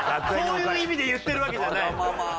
そういう意味で言ってるわけじゃないの。